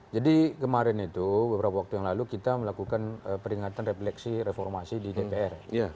jadi kemarin itu beberapa waktu yang lalu kita melakukan peringatan refleksi reformasi di dpr